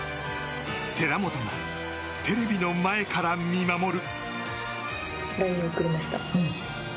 寺本がテレビの前から見守る。